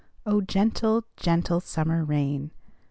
Oh, gentle, gentle summer rain!